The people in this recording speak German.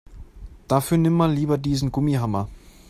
Dafür nimm mal lieber diesen Gummihammer.